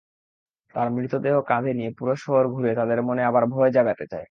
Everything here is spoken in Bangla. তার মৃতদেহ কাঁধে নিয়ে পুরো শহর ঘুরে তাদের মনে আবার ভয় জাগাতে চাই।